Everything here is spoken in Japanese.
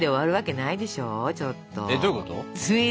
えっどういうこと？